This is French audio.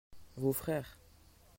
vos frères.